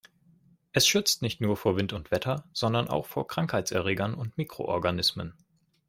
Es schützt nicht nur vor Wind und Wetter, sondern auch vor Krankheitserregern und Mikroorganismen.